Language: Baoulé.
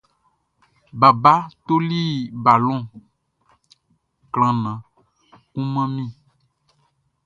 Baba toli balɔn klanhan kun man mi.